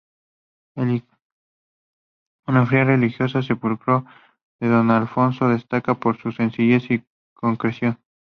La iconografía religiosa del sepulcro de don Alfonso destaca por su sencillez y concreción.